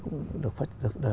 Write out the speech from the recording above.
cũng được phát triển ra